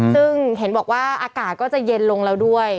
ซึ่งเห็นบอกว่าอากาศก็จะเย็นลงแล้วด้วย